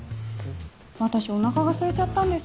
私お腹がすいちゃったんです。